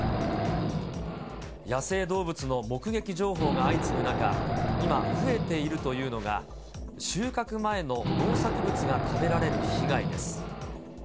野生動物の目撃情報が相次ぐ中、今、増えているというのが、収穫前の農作物が食べられる被害です。